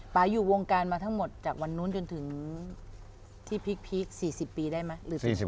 อยู่วงการมาทั้งหมดจากวันนู้นจนถึงที่พีค๔๐ปีได้ไหมหรือ๔๐